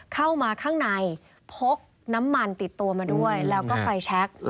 เข้ามาข้างในพกน้ำมันติดตัวมาด้วยแล้วก็ไฟแชค